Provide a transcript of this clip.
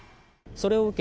それを受け